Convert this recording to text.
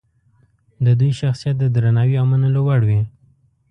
د دوی شخصیت د درناوي او منلو وړ وي.